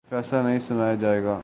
کوئی فیصلہ نہیں سنایا جائے گا